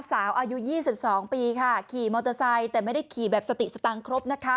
อายุ๒๒ปีค่ะขี่มอเตอร์ไซค์แต่ไม่ได้ขี่แบบสติสตังค์ครบนะคะ